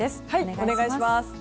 お願いします。